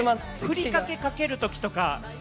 ふりかけかけるときとか？